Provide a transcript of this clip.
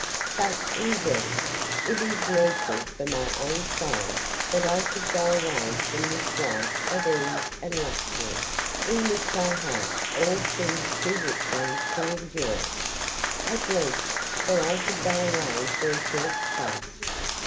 But, indeed, it is needful for my own soul that I should go away from this life of ease and luxury in which I have all things too richly to enjoy—at least that I should go away for a short space.